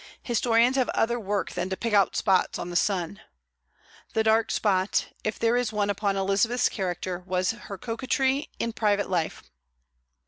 Historians have other work than to pick out spots on the sun. The dark spot, if there is one upon Elizabeth's character, was her coquetry in private life.